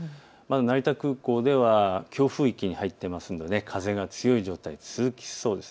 成田空港では強風域に入っていますので風が強い状態が続きそうです。